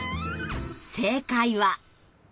正解は。